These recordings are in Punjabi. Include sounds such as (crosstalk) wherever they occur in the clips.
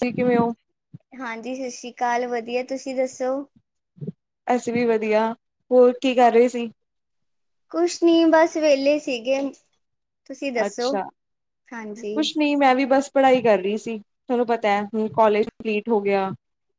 ਤੁਸੀਂ ਕਿਵੇਂ ਹੋ? ਹਾਂਜੀ ਸਤਿ ਸ੍ਰੀ ਅਕਾਲ ਵਧੀਆ, ਤੁਸੀਂ ਦੱਸੋ? ਅਸੀਂ ਵੀ ਵਧੀਆ। ਹੋਰ ਕੀ ਕਰ ਰਹੇ ਸੀ? ਕੁਛ ਨੀ ਬਸ ਵਹਲੇ ਸੀਗੇ ਤੁਸੀਂ ਦੱਸੋ? ਅੱਛਾ, ਹਾਂਜੀ ਕੁਛ ਨੀ ਮੈਂ ਵੀ ਬਸ ਪੜ੍ਹਾਈ ਕਰ ਰਹੀ ਸੀ, ਤੁਹਾਨੂੰ ਪਤਾ ਹੈ ਹੁਣ ਕੋਾਲਜ ਕੰਪਲੀਟ ਹੋ ਗਿਆ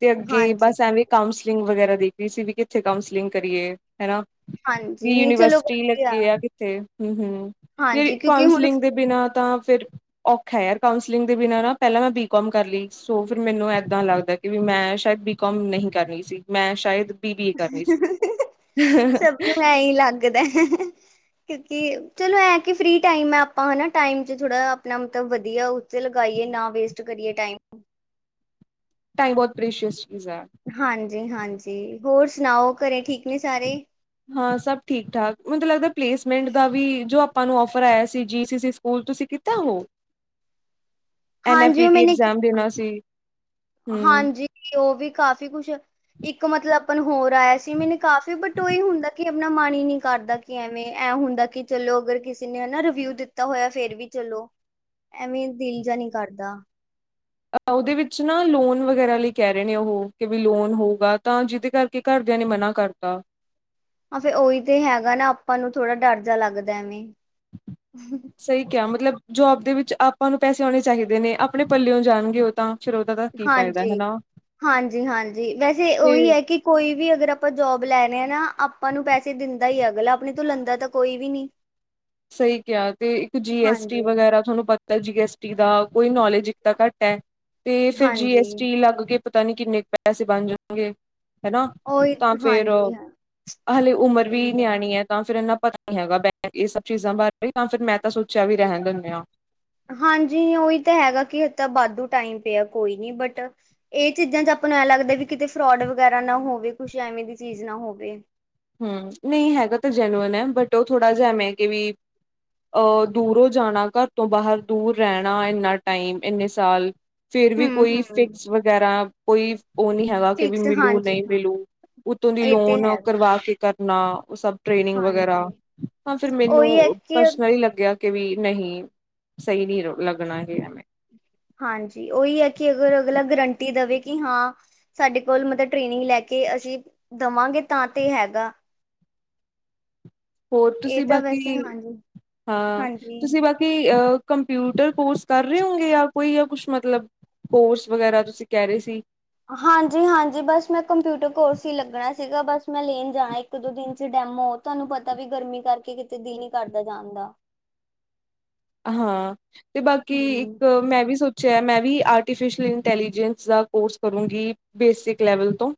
ਤੇ ਅੱਗੇ ਹਾਂਜੀ ਬਸ ਐਵੇਂ ਕਾਂਸਲ ਗ ਵਗੈਰਾ ਦੇਖ ਰਹੀ ਸੀ ਵੀ ਕਿੱਥੇ ਕਾਂਸਲਿੰਗ ਕਰੀਏ? ਹਨਾ ਹਾਂਜੀ ਵੀ ਨਹੀਂ ਚਲੋ ਯੂਨੀਵਰਸਿਟੀ ਵਧੀਆ ਲੱਗੇ ਆ ਕਿੱਥੇ? ਹਮ-ਹਮ। ਹਾਂਜੀ ਕਿਉਂਕਿ ਹੁਣ ਕਾਂਸਲਿੰਗ ਦੇ ਬਿਨਾਂ ਤਾਂ ਫਿਰ ਔਖਾ ਯਾਰ ਕਾਂਸਲਿੰਗ ਦੇ ਬਿਨਾਂ ਨਾ ਪਹਿਲਾਂ ਮੈਂ ਬੀਕੌਮ ਕਰ ਲਈ ਸੋ ਫਿਰ ਮੈਨੂੰ ਇਏਦਾਂ ਲੱਗਦਾ ਕਿ ਵੀ ਮੈਂ ਸ਼ਾਇਦ ਬੀਕਮ ਨਹੀਂ ਕਰਨੀ ਸੀ ਮੈਂ ਸ਼ਾਇਦ ਬੀ ਬੀ ਏ ਕਰਨੀ ਸੀ। ਸਭ ਨੂੰ ਐਹੀ ਲੱਗਦਾ, ਕਿਉਂਕਿ ਚਲੋ ਐਂ ਕਿ ਫਰੀ ਟਾਈਮ ਹੈ ਆਪਾਂ ਹੈ ਨਾ, ਟਾਈਮ 'ਚ ਥੋੜ੍ਹਾ ਆਪਣਾ ਮਤਲਬ ਵਧੀਆ ਉੱਚੇ ਲਗਾਈਏ ਨਾ ਵੇਸਟ ਕਰੀਏ ਟਾਈਮ। ਟਾਈਮ ਬਹੁਤ ਪ੍ਰੇਸ਼ੀਅਸ ਚੀਜ਼ ਹੈ। ਹਾਂਜੀ-ਹਾਂਜੀ ਤੇ, ਹੋਰ ਸੁਣਾਓ ਘਰੇ ਠੀਕ ਨੇ ਸਾਰੇ ਹਾਂ ਸਭ ਠੀਕ-ਠਾਕ ਮੈਨੂੰ ਲੱਗਦਾ ਪਲੇਸਮੈਂਟ ਦਾ ਵੀ ਜੋ ਆਪਾਂ ਨੂੰ ਔਫਰ ਆਇਆ ਸੀ ਜੀ ਸੀ ਸੀ ਸਕੂਲ ਤੁਸੀਂ ਕੀਤਾ ਹੋ ਐਨ ਐਫ ਹਾਂਜੀ ਪੀ ਉਹ ਟੀ ਮੈਨੇ ਐਗਜ਼ਾਮ ਦੇਣਾ ਸੀ ਹਮ ਹਾਂਜੀ ਉਹ ਵੀ ਕਾਫੀ ਕੁਛ ਇੱਕ ਇੱਕ ਮਤਲਬ ਆਪ ਨੂੰ ਹੋਰ ਇਆ ਸੀ ਮੈਨੂੰ ਕਾਫ਼ੀ ਬੁੱਤ ਓਹੀ ਹੁੰਦਾ ਕਿ ਆਪਣਾ ਮਨ ਹੀ ਨਹੀਂੀ ਕਰਦਾ ਕਿ ਐਵੇਂ ਐਂ ਹੁੰਦਾ ਕਿ ਚਲੋ ਅਗਰ ਕਿਸੇ ਨੇ ਹਨਾ ਰਿਵਿਊ ਦਿੱਤਾ ਹੋਇਆ ਫੇਰ ਵੀ ਚਲੋ ਐਵੇਂ ਦਿਲ ਜਾ ਨੀ ਕਰਦਾ ਅ ਉਹਦੇ ਵਿੱਚ ਨਾ ਲੋਨ ਵਗੈਰਾ ਲਈ ਕਹਿ ਰਹੇ ਨੇ ਉਹ, ਕਿ ਵੀ ਲੋਨ ਹੋਗਾ ਤਾਂ ਜਿਹਦੇ ਕਰਕੇ ਘਰਦਿਆਂ ਨੇ ਮਨਾ ਕਰਤਾ ਆ ਫੇਿਰ ਉਹੀ ਤੇ ਹੈਗਾ ਨਾ ਆਪਾਂ ਨੂੰ ਥੋੜਾ ਡਰ ਜਾ ਲੱਗਦਾ ਐਵੇਂ ਸਹੀ ਕਿਆ ਮਤਲਬ ਜੋਬ ਦੇ ਵਿੱਚ ਆਪਾਂ ਨੂੰ ਪੈਸੇ ਆਉਣੇ ਚਾਹੀਦੇ ਨੇ, ਆਪਣੇ ਪੱਲਿਓ ਜਾਣਗੇ ਉਹ ਤਾਂ ਫਿਰ ਉਹਦਾ ਤਾਂ ਕੀ ਫਾਇਦਾ ਹਾਂਜੀ ਹਨਾ ਹਾਂਜੀ-ਹਾਂਜੀ ਵੈਸੇ ਤੇ ਉਹੀ ਹੈ ਕਿ ਕੋਈ ਵੀ ਅਗਰ ਆਪਾਂ ਜੋਬ ਲੈਣੇ ਹ ਨਾ ਆਪਾਂ ਨੂੰ ਪੈਸੇ ਲਦਾ ਹੀ ਅਗਲਾ ਆਪਣੇ ਤੂੰ ਲੰਦਾ ਤਾਂ ਕੋਈ ਵੀ ਨੀ ਸਹੀ ਕਿਹਾ ਤੇ, ਇੱਕ ਜੀ ਐਸ ਟੀ ਵਗੈਰਾ ਤੁਹਾਨੂੰ ਪਤਾ ਜੀ ਐਸਟੀ ਦਾ ਕੋਈ ਨੌਲੇਜ ਇੱਕ ਤਾਂ ਘੱਟ ਹੈ ਤੇ, ਫੇਿਰ ਜੀ ਹਾਂਜੀ ਐਸ ਟੀ ਲੱਗ ਕੇ ਪਤਾ ਨਹੀਂ ਕਿੰਨੇ ਕੁ ਪੈਸੇ ਬਣ ਜਾਣਗੇ। ਹਨਾ, ਉਹੀ ਤਾਂ ਫੇਿਰ ਹਾਂਜੀ ਹਾਂ ਹਾਲੇ ਉਮਰ ਵੀ ਸਹੀ ਆ ਨਿਆਣੀ ਹੈ ਤਾਂ ਫੇਿਰ ਪਤਾ ਨਹੀਂੀ ਹੈਗਾ ਬੈ ਇਹ ਸਭ (unintelligible) ਚੀਜ਼ਾਂ ਬਾਰੇ ਜਾਂ ਫਿਰ ਮੈਂ ਤਾਂ ਸੋਚਿਆ ਵੀ ਰਹਿਣ ਦਿੰਦੇ ਹਾਂ (unintelligible) ਹਾਂਜੀ ਉਹੀ ਤਾਂ ਹੈਗਾ ਕਿ ਤਾਂ ਵਾਧੂ ਟਾਈਮ ਪਿਆ ਕੋਈ ਨੀ ਬਟ ਇਹ ਚੀਜ਼ਾਂ ਚ, ਆਪੂੰ ਨੂੰ ਐ ਲੱਗਦਾ ਵੀ ਕਿਤੇ ਫਰੋਡ ਵੇਗ ਵਗੈਰਾ ਨਾ ਹੋਵੇ ਕੁੱਛ ਐਵੇਂ ਦੀ ਚੀਜ਼ ਨਾ ਹੋਵੇ ਹੂੰ ਨਹੀਂ ਹੈਗਾ ਤਾਂ ਜੈਨੂਅਨ ਹੈ ਬਟ ਉਹ ਥੋੜ੍ਹਾ ਜਿਹਾ ਮੈਂ ਕਿ ਵੀ ਅਹ ਦੂਰੋਂ ਜਾਣਾ ਘਰ ਤੋਂ ਬਾਹਰ ਦੂਰ ਰਹਿਣਾ ਇੰਨਾ ਟਾਈਮ ਇੰਨੇ ਸਾਲ ਫਿਰ ਵੀ ਹੂੰ ਕੋਈ ਹੂੰ ਫਿਕਸ ਵਗੈਰਾ ਕੋਈ ਉਹ ਨੀ ਹੈਗਾ ਕਿ ਵੀ ਫਿਕਸ ਮਿਲੂ ਹਾਂਜੀ ਨਹੀਂ ਹਾਂ ਮਿਲੂ ਉੱਤੋਂ ਦੀ ਇਹ ਤੇ ਲੋਨ ਹੈਗਾ ਆ ਕੇ ਕਰਨਾ ਉਹ ਸਭ ਟ੍ਰੇਨਿੰਗ ਵਗੈਰਾ ਹਾਂਜੀ ਤਾਂ ਫਿਰ ਉਹੀ ਹੈ ਮੈਨੂੰ ਕਿ ਪਰਸਨਲੀ ਲੱਗਿਆ ਕਿ ਵੀ ਨਹੀਂ ਸਹੀ ਨਹੀਂ ਲੱਗਣਾ ਹੈ ਐਵੇਂ ਹਾਂਜੀ ਓਹੀ ਹੈ ਕਿ ਅਗਰ ਅਗਲਾ ਗਰੰਟੀ ਦੇਵੇ ਕਿ ਹਾਂ ਸਾਡੇ ਕੋਲ ਮਤਲਬ ਟ੍ਰੇਨਿੰਗ ਲੈ ਕੇ ਅਸੀਂ ਦੇਵਾਂਗੇ ਤਾਂ ਤੇ ਹੈਗਾ ਹੋਰ ਇਹ ਤੁਸੀਂ ਤਾਂ ਬਾਕੀ ਵੈਸੇ ਹਾਂਜੀ ਹਾਂ ਹਾਂਜੀ ਤੁਸੀਂ ਬਾਕੀ ਅਹ ਕੰਪਿਊਟਰ ਕੋਰਸ ਕਰ ਰਹੇ ਹੋਂਗੇ ਆਪ ਕੋਈ ਜਾਂ ਕੁਛ ਮਤਲਬ ਕੋਰਸ ਵਗੈਰਾ ਤੁਸੀਂ ਕਹਿ ਰਹੇ ਸੀ ਹਾਂਜੀ ਹਾਂਜੀ ਬਸ ਮੈਂ ਕੰਪਿਊਟਰ ਕੋਰਸ ਹੀ ਲੱਗਣਾ ਸੀਗਾ ਬਸ ਮੈਂ ਲੇਨ ਜਾਣਾ ਇੱਕ ਦੋ ਦਿਨ 'ਚ ਡੈਮੋ ਤੁਹਾਨੂੰ ਪਤਾ ਵੀ ਗਰਮੀ ਕਰਕੇ ਕਿਤੇ ਦਿਲ ਨ ਕਰਦਾ ਜਾਣਦਾ ਹਾਂ ਤੇ ਬਾਕੀ ਹੂੰ। ਇੱਕ ਮੈਂ ਵੀ ਸੋਚ ਮੈਂ ਵੀ ਆਰਟੀਫਿਸ਼ਅਲ ਇੰਟੈਲੀਜੈਂਸ ਦਾ ਕੋਰਸ ਕਰੂੰਗੀ ਬੇਸਿਕ ਲੈਵਲ ਤੋਂ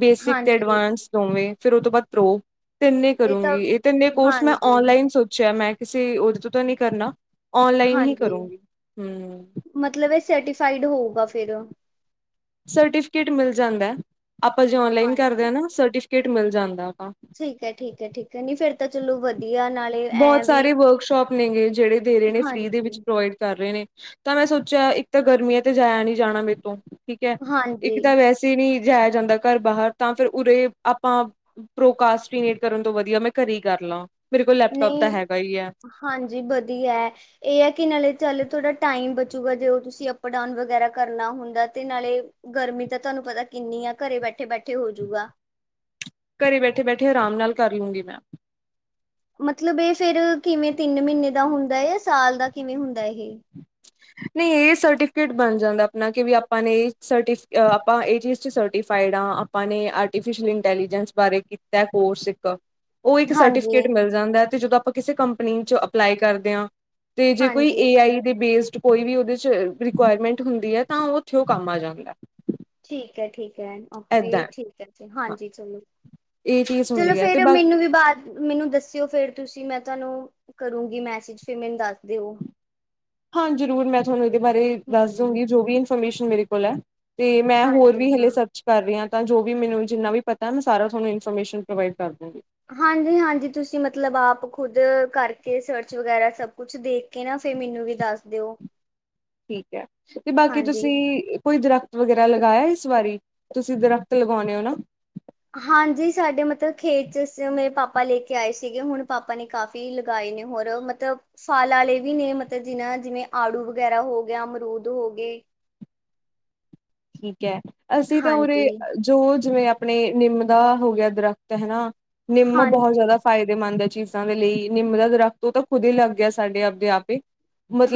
ਬੇਸਿਕ ਤੇ ਹਾਂਜੀ ਐਡਵਾਂਸ ਦੋਵੇਂ ਫਿਰ ਉਹ ਤੋਂ ਬਾਅਦ ਪ੍ਰੋੋ ਤਿੰਨੇ ਕਰੂੰਗੀ ਇਹ ਤਿੰਨੇ ਕੋਰਸ ਮੈਂ ਔਨਲਾਈਨ ਹਾਂਜੀ-ਹਾਂਜੀ ਸੋਚਿਆ ਮੈਂ ਕਿਸੇ ਉਹਦੇ ਤੋਂ ਤਾਂ ਨਹੀਂ ਕਰਨਾ ਔਨਲਾਈਨ ਹੀ ਕਰੂੰਗੀ ਹੂੰ ਸੈਟੀਫਾਈਡ ਹੋਊਗਾ ਫਿਰ ੳ ਸਰਟੀਫਿਕੇਟ ਮਿਲ ਜਾਂਦਾ ਐ ਆਪਾਂ ਜੇ ਔਨਲਾਈਨ ਕਰਦੇ ਹਾਂਜੀ। ਹੈ ਨਾ ਸਰਟੀਫਿਕੇਟ ਮਿਲ ਜਾਂਦਾ। ਠੀਕ ਹੈ ਠੀਕ ਹੈ ਠੀਕ ਹੈ ਨੀ ਫੇਰ ਤਾਂ ਚਲੋ ਵਧੀਆ ਨਾਲੇ ਐਂ ਬਹੁਤ ਵੀ ਸਾਰੇ ਵਰਕਸ਼ੋਪ ਨੇ ਗੇ ਜਿਹੜੇ ਦੇ ਰਹੇ ਨੇ ਫ੍ਰਰੀ ਦੇ ਹਾਂਜੀ-ਹਾਂਜੀ ਵਿੱਚ ਪ੍ਰੋਵਾਈਡ ਕਰ ਰਹੇ ਨੇ ਤਾਂ ਮੈਂ ਸੋਚਿਆ ਇੱਕ ਤਾਂ ਗਰਮੀ ਹੈ ਤੇ ਜਾਇਆ ਨਹੀਂ ਜਾਣਾ ਮੇਰੇ ਤੋਂ ਠੀਕ ਹੈ ਇੱਕ ਤਾਂ ਵੈਸੇ ਨਹੀਂ ਜਾਇਆ ਜਾਂਦਾ ਘਰ ਬਾਹਰ ਤਾਂ ਫਿਰ ਉਰੇ ਆਪਾਂ ਪ੍ਰੋਕਾਸਟਟ ਕਰਨ ਤੋਂ ਵਧੀਆ ਮੈਂ ਘਰੇ ਕਰਲਾ। ਨਹੀਂ, ਹਾਂਜੀ ਵਧੀਆ ਇਹ ਹੈ ਕਿ ਨਾਲੇ ਚੱਲ ਥੋੜਾ ਟਾਈਮ ਗਾ ਜੇ ਤੁਸੀਂ ਅਪ ਡਾਊਨ ਵਗੈਰਾ ਕਰਨਾ ਹੁੰਦਾ ਤੇ ਨਾਲੇ ਗਰਮੀ ਤਾਂ ਤੁਹਾਨੂੰ ਪਤਾ ਕਿੰਨੀ ਆ ਘਰੇ ਬੈਠੇ ਬੈਠੇ ਹੋਜੂਗਾ। ਘਰੇ ਬੈਠੇ ਬੈਠੇ ਆਰਾਮ ਨਾਲ ਕਰ ਲੂੰਗੀ ਮੈਂ। ਮਤਲਬ ਇਹ ਫੇਰ ਕਿਵੇਂ ਤਿੰਨ ਮਹੀਨੇ ਦਾ ਹੁੰਦਾ ਹੈ ਜਾਂ ਸਾਲ ਦਾ ਕਿਵੇਂ ਹੁੰਦਾ ਇਹ। ਨਹੀਂ ਇਹ ਸਰਟੀਫਿਕੇਟ ਬਣ ਜਾਂਦਾ ਆਪਣਾ ਕੀ ਵੀ ਆਪਾ ਇਹ ਚੀਜ਼ 'ਚ ਸੈਟੀਫਾਈਡ ਆਪਾਂ ਨੇ ਆਟੀਫੀਸਲ ਇੰਨਟੈਲੀਜਸ ਬਾਰੇ ਕੀਤਾ ਕੋਰਸ। ਉਹ ਇੱਕ ਸਰਟੀਫਿਕੇਟ ਹਾਂਜੀ-ਹਾਂਜੀ ਮਿਲ ਜਾਂਦਾ ਹੈ ਤੇ ਜਦੋਂ। ਆਪਾਂ ਕਿਸੇ ਕੰਪਨੀ ਚ ਅਪਲਾਈ ਕਰਦੇ ਹਾਂ? ਤੇ ਜੇ ਕੋਈ ਏ ਆਈ ਦੇ ਬੇਸ। ਕੋਈ ਵੀ ਉਹਦੇ ਚ ਰਿਕੁਆਇਰਮੈਂਟ ਹੁੰਦੀ ਹੈ ਤਾਂ ਉਹ ਉੱਥੇ ਕੰਮ ਆ ਜਾਂਦਾ ਹੈ। ਕਹੈ ਠੀਕ। ਕਹੈ ਠੀਕ ਹੈ ਹਾਂ ਹਾਂਜੀ ਚਲੋ ਇਹ ਚੀਜ਼ ਚਲੋ ਹੁੰਦੀ ਹੈ ਤੇ ਫੇਰ ਬਾ ਮੈਨੂੰ ਵੀ ਬਾਅਦ ਮੈਨੂੰ ਦੱਸਿਓ ਫੇਰ ਤੁਸੀਂ ਮੈਂ ਤੁਹਾਨੂੰ। ਕਰੂੰਗੀ ਮੈਸੇਜ ਫਿਰ ਮੈਨੂੰ ਦੱਸ ਦਿਓ? ਹਾਂ ਜ਼ਰੂਰ ਮੈਂ ਤੁਹਾਨੂੰ ਇਹਦੇ ਬਾਰੇ ਦੱਸ ਹਮ ਦੂੰਗੀ ਜੋ ਵੀ ਇਨਫੋਰਮੇਸ਼ਨ। ਮੇਰੇ ਕੋਲ ਹੈ। ਤੇ ਮੈਂ ਹੋਰ ਹਾਂਜੀ ਵੀ ਹਲੇ ਹਾਂ ਸਰਚ ਕਰ ਰਿਹਾ ਹੈ। ਤਾਂ ਜੋ ਵੀ ਮੈਨੂੰ ਜਿੰਨਾ ਵੀ ਪਤਾ ਹੈ ਮੈਂ ਸਾਰਾ ਤੁਹਾਨੂੰ ਇਨਫੋਰਮੇਸ਼ਨ ਪ੍ਰੋਵਾਈਡ ਕਰ ਦੂੰਗੀ। ਹਾਂਜੀ ਹਾਂਜੀ ਤੁਸੀਂ ਮਤਲਬ ਆਪ ਖੁਦ ਕਰਕੇ ਸਰਚ ਵਗੈਰਾ ਸਭ ਕੁਛ ਦੇਖ ਕੇ ਨਾ ਫਿਰ ਮੈਨੂੰ ਵੀ ਦੱਸ ਦਿਓ? ਠੀਕ ਹੈ ਤੇ ਬਾਕੀ ਹਾਂਜੀ। ਤੁਸੀਂ ਕੋਈ ਦਰਖਤ ਵਗੈਰਾ। ਲਗਾਇਆ ਇਸ ਵਾਰੀ ਤੁਸੀਂ ਦਰਖਤ ਲਗਾਉਣੇ ਹੋ ਨਾ। ਹਾਂਜੀ ਸਾਡੇ ਮਤਲਬ ਖੇਤ ਚ ਮੇਰੇ ਪਾਪਾ ਲੈ ਕੇ ਆਏ ਸੀਗੇ ਹੁਣ ਪਾਪਾ ਨੇ ਕਾਫ਼ੀ ਲਗਾਏ ਨੇ ਹੋਰ ਮਤਲਬ ਫਲ ਵਾਲੇ ਵੀ ਨੇ ਮਤਲਬ ਜਿਨਾ ਜਿਵੇਂ ਆੜੂ ਵਗੈਰਾ ਹੋ ਗਿਆ, ਅਮਰੂਦ ਹੋ ਗਏ। ਠੀਕ। ਹੈ ਅਸੀਂ ਤਾਂ ਉਰੇ ਜੋ। ਜਿਵੇਂ ਆਪਣੇ ਨਿੰਮ ਦਾ ਹੋ ਗਿਆ ਦਰਖਤ ਹਨਾ। ਨਿੰਮ ਬਹੁਤ ਹਾਂਜੀ-ਹਾਂਜੀ ਜ਼ਿਆਦਾ ਫਾਇਦੇਮੰਦ ਹੈ ਚੀਜ਼। ਚੀਜ਼ਾਂ ਦੇ ਲਈ ਨਿੰਮ ਦਾ ਦਰੱਖਤ ਉਹ ਤਾਂ ਖੁਦ ਹੀ ਲੱਗ ਗਿਆ ਸਾਡੇ ਆਪਦੇ ਆਪ ਹੀ।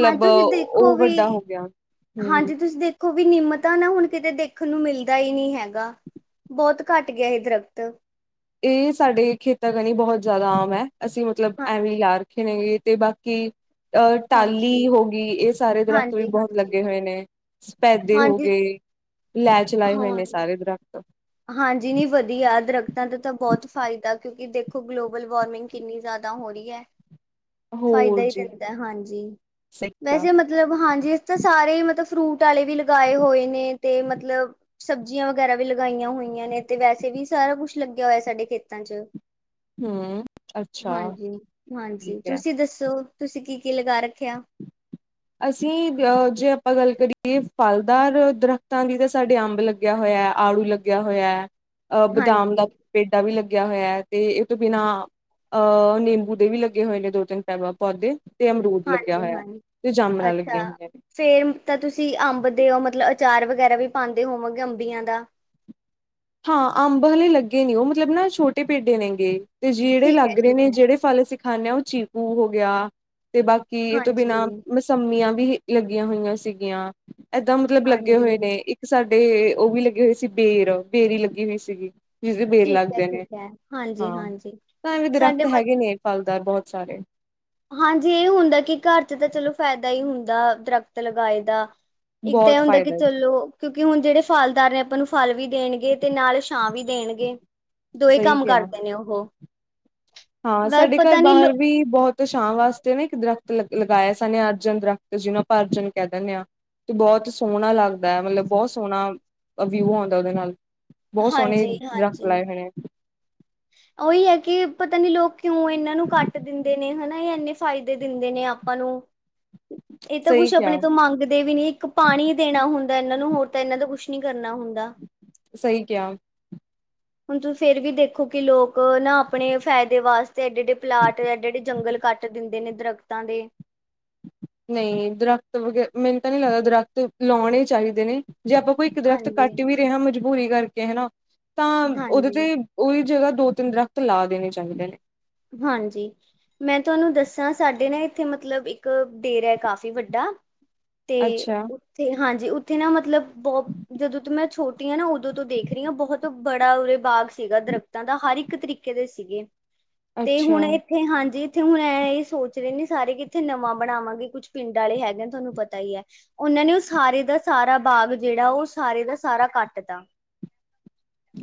ਹਾਂ ਤੁਸੀਂ ਦੇਖੋ ਉਹ ਵੀ ਵੱਡਾ ਹੋ ਗਿਆ ਹੂੰ। ਹਾਂਜੀ ਤੁਸੀਂ ਦੇਖੋ ਵੀ ਨਿੰਮ ਤਾ ਨਾ ਹੁਣ ਕਿਤੇ ਦੇਖਣ ਨੂੰ ਮਿਲਦਾ ਹੀ ਨਹੀਂ ਹੈਗਾ ਬਹੁਤ ਘੱਟ ਗਿਆ ਹੈ ਇਹ ਦਰਖਤ। ਇਹ ਸਾਡੇ ਖੇਤਾਂ ਰਾਹੀਂ ਬਹੁਤ ਜ਼ਿਆਦਾ ਆਮ ਹੈ। ਅਸੀਂ ਮਤਲਬ ਹਾਂ ਐਵੀਂ ਯਾਰ। ਰੱਖੇ ਨੇਗੇ ਤੇ ਬਾਕੀ। ਅ ਹਾਂਜੀ-ਹਾਂਜੀ-ਹਾਂਜੀ। ਟਾਹਲੀ ਹੋ ਗਈ ਇਹ ਸਾਰੇ ਦਰਖਤ ਵੀ ਹਾਂਜੀ ਬਹੁਤ ਹਾਂਜੀ ਲੱਗੇ ਹੋਏ ਨੇ ਸਪੈਦੇ ਹੋ ਹਾਂਜੀ ਗਏ ਲੈਣ ਚ ਲਾਏ ਹੋਏ ਹਾਂ ਨੇ ਸਾਰੇ ਦਰਖਤ। ਹਾਂਜੀ ਨਹੀਂ ਵਧੀਆ ਦਰਖਤਾਂ ਦਾ ਤਾਂ ਬਹੁਤ ਫਾਇਦਾ ਕਿਉਂਕਿ ਦੇਖੋ ਗਲੋਬਲ ਵਾਰਮਿੰਗ ਕਿੰਨੀ ਜ਼ਿਆਦਾ ਹੋ ਰਹੀ ਹੈ? ਫਾਇਦਾ ਹੋਰ ਹੀ ਜੀ ਦਿੰਦਾ ਹਾਂਜੀ ਸਹੀ ਕਿਹਾ ਵੈਸੇ ਮਤਲਬ ਹਾਂਜੀ ਇਸ ਤਾਂ ਸਾਰੇ ਹੀ ਮਤਲਬ। ਫਰੂਟ ਵਾਲੇ ਵੀ ਲਗਾਏ ਹੋਏ ਨੇ ਤੇ ਮਤਲਬ ਸਬਜ਼ੀਆਂ ਵਗੈਰਾ ਵੀ। ਲਗਾਈਆਂ ਹੋਈਆਂ ਨੇ ਤੇ ਵੈਸੇ ਵੀ ਸਾਰਾ ਕੁੱਛ ਲੱਗਿਆ ਹੋਇਆ ਸਾਡੇ ਖੇਤਾਂ ਚ। ਹੂੰ ਅੱਛਾ ਹਾਂਜੀ ਠੀਕ ਹਾਂਜੀ ਹੈ ਤੁਸੀਂ ਦੱਸੋ? ਤੁਸੀਂ ਕੀ ਕੀ ਲਗਾ ਰੱਖਿਆ? ਅਸੀਂ ਅ ਜੇ ਆਪਾਂ ਗੱਲ ਕਰੀਏ ਫਲਦਾਰ ਦਰਖਤਾਂ ਦੀ ਤਾਂ ਸਾਡੇ ਅੰਬ ਲੱਗਿਆ ਹੋਇਆ ਹੈ, ਆੜੂ ਲੱਗਿਆ ਹੋਇਆ ਹੈ। ਅਹ ਬਦਾਮ ਦਾ ਹਾਂਜੀ ਪੇਡਾ ਵੀ ਲੱਗਾ। ਲੱਗਿਆ ਹੋਇਆ ਤੇ ਇਹ ਤੋਂ ਬਿਨਾਂ ਅਹ ਨਿੰਬੂ ਦੇ ਵੀ ਲੱਗੇ ਹੋਏ ਨੇ ਦੋ ਤਿੰਨ ਪੈ ਪੌਦੇ। ਤੇ, ਅਮਰੂਦ ਲੱਗਿਆ ਹਾਂਜੀ ਹੋਇਆ। ਹਾਂ ਤੇ ਜਾਮਣਾਂ ਅੱਛਾ, ਲੱਗੀਆਂ ਹੋਈਆਂ ਨੇ ਸੈਮ ਤਾਂ ਤੁਸੀਂ ਅੰਬ ਦੇ ਹੋ ਮਤਲਬ। ਅਚਾਰ ਵਗੈਰਾ ਵੀ ਪਾਦੇ ਹੋਵਾਂਗੇ ਅੰਬੀਆਂ ਦਾ। ਹਾਂ ਅੰਬ ਹਲੇ ਲੱਗੇ ਨੀ ਉਹ ਮੁਜਲਬ ਨਾ ਛੋਟੇ ਪੇਡੇ ਨੇ ਗੇ ਤੇ ਜਿਹੜੇ ਠੀਕ ਹੈ ਲੱਗ ਰਹੇ ਠੀਕ ਨੇ ਹੈ ਜਿਹੜੇ ਫਲ ਅਸੀਂ ਖਾਂਣੇ ਓ ਚੀਕੂ ਹੋ ਗਿਆ। ਤੇ ਬਾਕੀ ਏ ਤੋਂ ਹਾਂਜੀ, ਬਿਨਾਂ ਮਸੰਮੀਆਂ ਵੀ ਏ ਅਗੀਆਂ ਹੋਈਆਂ ਸੀ ਗੀਆਂ। ਏਦਾਂ ਮਤਲਬ ਲੱਗੇ ਹੋਏ ਹਾਂਜੀ ਇੱਕ ਸਾ ਤੇ ਉਹ ਵੀ ਲੱਗੇ ਹੋਏ ਸੀ ਬੇ। ਬੇਰੀ ਲੱਗੀ ਹੋਈ ਸੀ ਗੀ। ਜਦੇ ਬੇਰ ਠੀਕ ਹੈ, ਲੱਗਦੇ ਨੇ ਠੀਕ ਹੈ, ਹਾਂਜੀ, ਹਾਂ, ਹਾਂਜੀ ਤਾਂ ਇਹਵੇਂ ਦਰਖਤ ਸਾਡੇ ਮ ਹੈਗੇ ਨੇ ਫਲਦਾਰ ਬਹੁਤ। ਸਾਰੇ। ਹਾਂਜੀ ਇਹ ਹੁੰਦਾ ਕਿ ਘਰ ਚ ਤਾਂ ਚਲੋ ਫਾਇਦਾ ਹੀ ਹੁੰ ਦਾ--ਦਰਖਤ ਲਗਾਏ ਦਾ। ਇੱਕ ਤਾਂ ਇਹ ਬਹੁਤ ਹੁੰਦਾ ਕਿ ਫਾਇਦਾ ਚਲੋ ਕਿਉਂਕਿ ਹੁਣ ਜਿਹੜੇ ਫਲਦਾਰ ਆਪਾਂ ਨੂੰ ਫਲ ਵੀ ਦੇਣਗੇ ਤੇ ਨਾਲ ਛਾਂ ਵੀ ਦੇਣਗੇ। ਦੋਏ, ਸਹੀ ਕੰਮ ਕਿਹਾ ਕਰਦੇ ਨੇ ਉਹ। ਹਾਂ ਵੈਸੇ ਸਾਡੇ ਘਰ ਪਤਾ ਨੀ ਬਾਹਰ ਵੀ ਬਹੁਤ। ਸ਼ਾਮ ਵਾਸਤੇ ਨਾ ਇੱਕ ਦਰਖਤ ਲਗਾਏ ਸਨੇ ਅਰਜਨ ਦਰਖਤ ਜਿਹਨੂੰ ਆਪਾਂ ਅਰਜਨ ਕਹਿ ਦਿੰਦੇ ਹਾਂ ਤੇ ਬਹੁਤ ਸੋਹਣਾ ਲੱਗਦਾ ਹੈ ਮਤਲਬ ਬਹੁਤ ਸੋਹਣਾ ਵਿਊ ਆਉਂਦਾ ਉਹਦੇ ਨਾਲ ਬਹੁਤ ਸੋਹਣੇ ਹਾਂਜੀ, ਦਰੱਖਤ ਹਾਂਜੀ। ਲਾਏ ਹੋਏ ਨੇ ਉਹੀ ਹੈ ਕਿ, ਪਤਾ ਨਈ ਲੋਕ, ਕਿਉਂ ਇਹਨਾਂ ਨੂੰ ਕੱਟ, ਦਿੰਦੇ ਨੇ ਹਨਾ ਜਾਣਿਕ। ਫਾਇਦੇ, ਦਿੰਦੇ ਨੇ ਆਪਾਂ ਨੂੰ। ਇਹ ਤਾਂ ਸਹੀ ਕੁੱਛ ਕਿਹਾ ਆਪਣੇ ਤੋਂ ਮੰਗਦੇ ਵੀ ਨੀ- ਇੱਕ ਪਾਣੀ ਦੇਣਾ ਹੁੰਦਾ। ਇਹਨਾਂ ਨੂੰ ਹੋਰ ਤਾਂ ਇਹਨਾਂ ਦਾ ਕੁਛ ਨੀ ਕਰਨਾ ਹੁੰਦਾ। ਸਹੀ, ਕਿਆ। ਹੁਣ ਤੂੰ ਫੇਰ ਵੀ ਦੇਖ। ਕਿਉਂਕਿ, ਲੋਕ ਨਾ ਆਪਣੇ ਫ਼ਾਇਦੇ ਵਾਸਤੇ। ਤੇ ਏਡੇ ਏਡੇ ਪਲਾਟਐਡੇ--ਐਡੇ ਜੰਗਲ ਕਟ ਦੇਦੈ ਨੇ। ਦਰਖਤਾਂ ਦੇ। ਨਹੀਂ ਦਰਖਤ, ਮੈਨੂੰ ਤੇ ਨਹੀਂ ਲੱਗਦਾ ਦਰਖਤ ਲਾਉਣੇ ਚਾਹੀਦੇ ਨੇ। ਜੇ ਆਪਾਂ ਕੋਈ-ਦਰਖਤ ਹਾਂਜੀ ਕੱਟ ਵੀ ਰਹੇ ਹਾਂ ਮਜ਼- ਬੂਰੀ ਕਰਕੇ ਹਨਾ- ਤਾਂ ਉਹਦੇ ਹਾਂਜੀ ਤੇ ਉਹੀ ਜਗ੍ਹਾ- ਦੋ ਤਿੰਨ ਦਰਖ਼ਤ ਲਾ ਦੇਣੇ ਚਾਹੀਦੇ ਨੇ। ਹਾਂਜੀ ਮੈਂ ਤੁਹਾਨੂੰ ਦੱਸਾਂ ਸਾਡੇ ਨਾ ਇੱਥੇ ਮਤਲਬ ਇੱਕ ਡੇਰਾ ਐ ਕਾਫ਼ੀ ਵੱਡਾ- ਤੇ ਅੱਛਾ ਉੱਥੇ ਹਾਂਜੀ ਊ- ਤੇ ਨਾ ਮਤਲਬ- ਬਹੁ ਜਦੋਂ ਤੂੰ ਮੈਂ ਛੋ- ਟੀ ਆ ਨਾ ਉਦੋਂ ਤੋਂ ਦੇਖ ਰਹੀਆਂ ਬਹੁਤ ਬੜਾ ਉਰੇ ਬਾਗ ਸੀਗਾ ਦਰਖਤਾਂ ਦਾ ਹਰ ਇੱਕ ਤਰੀਕੇ ਦੇ ਸੀਗੇ। ਤੇ ਅੱਛਾ ਹੁਣ ਇੱਥੇ ਹਾਂਜੀ- ਇੱਥੇ ਹੁਣ ਇਹ ਸੋਚ ਰਹੇ ਨੇ ਸਾਰੇ ਕਿ ਇੱਥੇ ਨਵਾਂ ਬਣਾਵਾਂਗੇ ਕੁੱਛ ਪਿੰਡ ਵਾਲੇ ਹੈਗੇ ਨੇ ਤੁਹਾਨੂੰ ਪਤਾ ਹੀ ਹੈ ਉਹਨਾਂ ਨੇ ਉਹ ਸਾਰੇ ਦਾ ਸਾਰਾ ਬਾਗ ਜਿਹੜਾ ਉਹ ਸਾਰੇ ਦਾ ਸਾਰਾ ਕੱਟ ਤਾ।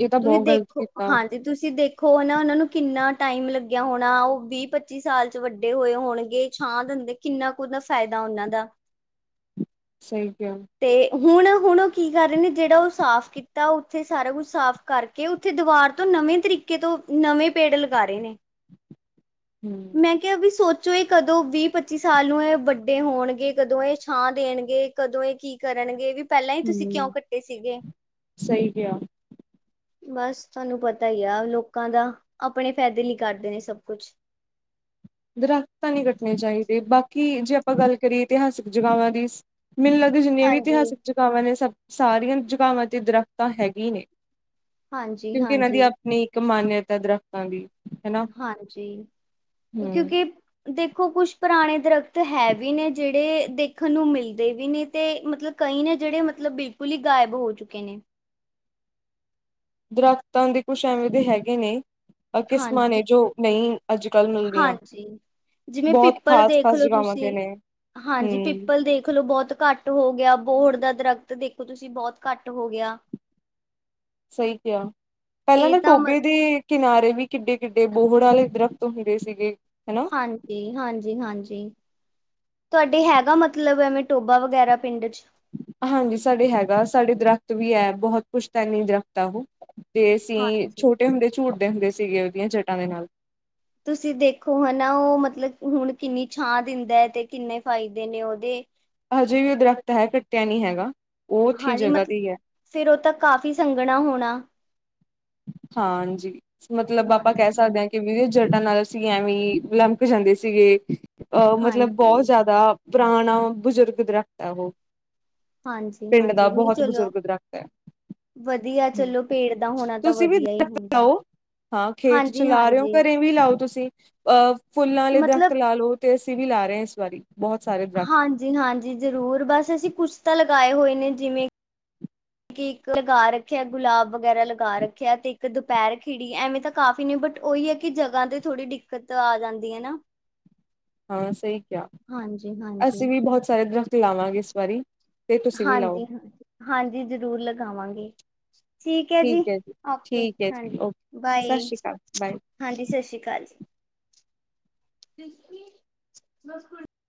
ਇਹ ਤਾਂ ਤੁਸੀਂ ਬਹੁਤ ਗ਼ਲਤ ਦੇਖੋ ਕੀਤਾ ਹਾਂਜੀ ਤੁਸੀਂ ਦੇ- ਖੋ ਨਾ ਉਹ ਨੂੰ ਕਿੰਨਾ ਟਾਈਮ ਲੱ- ਲੱਗਿਆ ਹੋਣਾ, ਉਹ ਵੀਹ ਪੱਚੀ ਸਾਲ ਚ ਵੱਡੇ ਹੋਏ ਹੋਣਗੇ, ਛਾਂ ਦਿੰਦੇ ਕਿੰਨਾ ਕੁਨਾ ਫਾਇਦਾ ਉਹਨਾਂ ਦਾ। ਸਹੀ ਕਿਹਾ। ਤੇ ਹੁਣ ਹੁਣ ਉਹ ਕੀ ਕਰ ਰਹੇ ਨੇ ਜਿਹੜਾ ਉਹ ਸਾਫ਼ ਕੀਤਾ ਉੱਥੇ ਸਾਰਾ ਕੁਛ ਸਾਫ਼ ਕਰਕੇ ਉੱਥੇ ਦਵਾਰ ਤੋਂ ਨਵੇਂ ਤਰੀਕੇ ਤੋਂ ਨਵੇਂ ਪੇੜ ਲਗਾ ਰਹੇ ਨੇ। ਹਮ ਮੈਂ ਕਿਹਾ ਵੀ ਸੋਚੋ- ਚੋ ਇਹ ਕਦੋਂ ਵੀਹ ਪੱਚੀ ਸਾਲ ਨੂੰ ਇਹ ਵੱਡੇ ਹੋਣਗੇ, ਕਦੋਂ ਇਹ ਛਾਂ ਦੇਣਗੇ, ਕਦੋਂ ਇਹ ਕੀ ਕਰਨਗੇ, ਵੀ- ਪਹਿਲਾਂ ਹੀ ਤੁਸੀਂ ਹਮ ਕਿਉਂ ਕੱਟੇ ਸੀਗੇ? ਸਹੀ ਕਿਹਾ ਬਸ ਤੁਹਾਨੂੰ ਪਤਾ ਹੀ ਆ ਲੋਕਾਂ ਦਾ ਆਪਣੇ ਫਾਇਦੇ ਲਈ- ਕਰਦੇ ਨੇ ਸਭ ਕੁਛ। ਦਰਖਤ ਤਾਂ ਨੀ ਕੱਟਣੇ ਚਾਹੀਦੇ ਬਾਕੀ- ਕੀ ਜੇ ਆਪਾਂ ਗੱਲ ਕਰੀਏ ਇਤਿਹਾਸਿਕ ਜਗ੍ਹਾਵਾਂ ਦੀ- ਮੈਨੂੰ ਲੱਗਦਾ ਜਿੰਨੀਆਂ ਵੀ ਹਾਂਜੀ ਇਤਿਹਾਸਿਕ ਜਗਾਵਾਂ ਨੇ ਸਭ- ਸਾਰੀਆਂ ਜਗਾਵਾਂ ਤੇ ਦਰੱਖਤਾਂ ਹੈਗੇ ਨੇ। ਹਾਂਜੀ ਕਿਉਂਕਿ ਇਹਨਾਂ ਦੀ ਹਾਂਜੀ ਆਪਣੀ- ਇੱਕ ਮਾਨਿਅਤ ਹੈ ਦਰੱਖਤਾਂ ਦੀ। ਹਨਾ ਹਾਂਜੀ। ਉਹ ਹੂੰ ਕਿਉਂਕਿ- ਦੇਖੋ ਕੁਛ ਪੁਰਾਣੇ ਦਰਖਤ ਹੈ ਵੀ ਨੇ ਜਿਹੜੇ ਦੇਖਣ ਨੂੰ ਮਿਲਦੇ ਵੀ ਨੇ ਤੇ ਮਤਲਬ ਕਈ ਨੇ ਜਿਹੜੇ ਮਤਲਬ ਬਿਲਕੁਲ ਹੀ ਗਾਇਬ ਹੋ ਚੁੱਕੇ ਨੇ। ਦਰਖਤਾਂ ਦੇ ਕੁਛ ਐਵੇਂ ਦੇ ਹੈਗੇ ਨੇ- ਕਿਸਮਾਂ ਨੇ ਹਾਂਜੀ ਜੋ ਨਹੀਂ ਅੱਜ ਕੱਲ੍ਹ ਮਿਲਦੀਆਂ ਹਾਂਜੀ ਜਿਵੇਂ ਬਹੁਤ ਪਿੱਪਲ ਖਾਸ ਖਾਸ ਦੇਖਲੋ ਜਗ੍ਹਾਵਾਂ ਤੇ ਤੁਸੀਂ ਨੇ ਹਾਂਜੀ ਹੂੰ ਪਿੱਪਲ ਦੇਖਲੋ ਬਹੁਤ ਘੱਟ ਹੋ ਗਿਆ- ਬੋਹੜ ਦਾ ਦਰਖਤ ਦੇਖੋ ਤੁਸੀਂ ਬਹੁਤ ਘੱਟ ਹੋ ਗਿਆ- ਸਹੀ ਕਿਹਾ ਪਹਿਲਾਂ ਇਹ ਤਾਂ ਮ ਟੋਭੇ ਦੇ ਕਿਨਾਰੇ ਵੀ ਕਿੱਡੇ ਕਿੱਡੇ ਬੋਹੜ ਵਾਲੇ ਦਰਖਤ ਹੁੰਦੇ ਸੀਗੇ ਹਨਾ ਹਾਂਜੀ ਹਾਂਜੀ ਹਾਂਜੀ ਤੁਹਾਡੇ ਹੈਗਾ ਮਤਲਬ ਐਵੇਂ ਟੋਭਾ ਵਗੈਰਾ ਪਿੰਡ ਚ ਹਾਂਜੀ ਸਾਡੇ ਹੈਗਾ ਸਾਡੇ ਦਰਖਤ ਵੀ ਹੈ ਬਹੁਤ ਪੁਸ਼ਤਾਨੀ ਦਰੱਖਤ ਦੀ ਤੇ ਅਸੀਂ ਹਾਂਜੀ ਛੋਟੇ ਹੁੰਦੇ ਝੂਟੇ ਹੁੰਦੇ ਸੀਗੇ ਉਹਦੀਆਂ ਜੱਟਾਂ ਦੇ ਨਾਲ ਤੁਸੀਂ ਦੇਖੋ ਹਨਾ, ਉਹ ਮਤਲਬ ਹੁਣ ਕਿੰਨੀ ਛਾਂ ਦਿੰਦਾ ਹੈ ਤੇ ਕਿੰਨੇ ਫਾਇਦੇ ਨੇ ਉਹਦੇ ਹਜੇ ਵੀ ਉਹ ਦਰੱਖਤ ਹੈ ਕੱਟਿਆ ਨੀ ਹੈਗਾ। ਉਹ ਉੱਥੇ ਹਾਂਜੀ ਜਗ੍ਹਾ ਤੇ ਮਤਲਬ ਹੀ ਹੈ ਫਿਰ ਉਹ ਤਾਂ ਕਾਫ਼ੀ ਸੰਘਣਾ ਹੋਣਾ। ਹਾਂਜੀ। ਮਤਲਬ ਆਪਾਂ ਹਾਂਜੀ, ਕਹਿ ਸਕਦੇ ਹਾਂਜੀ, ਹਾਂ ਕਿ ਵੀਰੇ ਜਟਾਂ ਨਾਲ ਅਸੀਂ ਐਵੇਂ ਲਮਕ ਜਾਂਦੇ ਸੀਗੇ ਅਹ ਮਤਲਬ ਬਹੁਤ ਹਾਂਜੀ। ਜ਼ਿਆਦਾ ਪੁਰਾਣਾ ਬਜ਼ੁਰਗ ਦਰੱਖਤ ਹੈ ਉਹ ਹਾਂਜੀ ਪਿੰਡ ਦਾ ਹਾਂਜੀ ਨਹੀਂ ਬਹੁਤ ਚਲੋ ਬਜ਼ੁਰਗ ਦਰਖਤ ਹੈ ਵਧੀਆ ਚਲੋ ਪੇੜ ਦਾ ਹੋਣਾ ਤਾਂ ਤੁਸੀਂ ਵੀ ਵਧੀਆ ਹੀ ਦਰੱਖਤ ਹੁੰਦਾ। ਲਾਓ ਹਾਂ ਖੇਤ ਹਾਂਜੀ, ਚਲਾ ਲਾ ਰਹੇ ਹੋ ਹਾਂਜੀ ਘਰੇ ਵੀ ਲਾਓ ਤੁਸੀਂ ਅਹ ਫੁੱਲਾਂ ਵਾਲੇ ਦਰਖਤ ਲਾ ਲਓ ਤੇ ਵੀ ਲਾ ਰਹੇ ਇਸ ਵਾਰੀ ਬਹੁਤ ਸਾਰੇ ਦਰਖਤ ਹਾਂਜੀ ਹਾਂਜੀ ਜ਼ਰੂਰ ਬਸ ਅਸੀਂ ਕੁਛ ਤਾਂ ਲਗਾਏ ਹੋਏ ਨੇ ਜਿਵੇਂ ਕਿ ਇੱਕ ਲਗਾ ਰੱਖਿਆ ਗੁਲਾਬ ਵਗੈਰਾ ਲਗਾ ਰੱਖਿਆ ਤੇ ਇੱਕ ਦੁਪਹਿਰ ਖਿੜੀ ਐਵੇਂ ਤਾਂ ਕਾਫ਼ੀ ਨੇ ਬਟ ਉਹੀ ਹੈ ਕਿ ਜਗ੍ਹਾ ਤੇ ਥੋੜ੍ਹੀ ਦਿੱਕਤ ਆ ਜਾਂਦੀ ਹੈ ਨਾ ਹਾਂ ਸਹੀ ਕਿਹਾ ਹਾਂਜੀ-ਹਾਂਜੀ। ਅਸੀਂ ਵੀ ਬਹੁਤ ਸਾਰੇ ਦਰਖਤ ਲਾਵਾਂਗੇ ਇਸ ਵਾਰੀ ਤੇ ਤੁਸੀਂ ਵੀ ਲਾਓ ਹਾਂਜੀ ਹਾਂਜੀ ਹਾਂਜੀ ਜ਼ਰੂਰ ਲਗਾਵਾਂਗੇ ਠੀਕ ਹੈ, ਜੀ ਓਕੇ ਠੀਕ ਹੈ ਜੀ ਹਾਂਜੀ ਓਕੇ ਸਤਿ ਬਾਏ ਸ਼੍ਰੀ ਅਕਾਲ ਬਾਏ ਹਾਂਜੀ ਸਤਿ ਸ੍ਰੀ ਅਕਾਲ ਜੀ। (unintelligible)